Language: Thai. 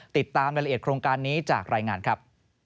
ติดตามรายละเอียดโครงการนี้จากรายงานครับ